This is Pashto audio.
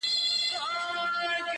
زما د دواړو سترگو، تورې مه ځه_